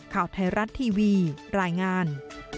ข่าวไทยรัฐทีวีรายงาน